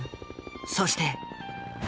そして。